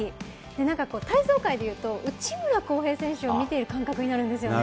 なんか体操界でいうと、内村航平選手を見ているような感覚になるんですよね。